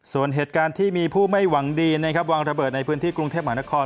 ส่วนเหตุการณ์ที่มีผู้ไม่หวังดีนะครับวางระเบิดในพื้นที่กรุงเทพมหานคร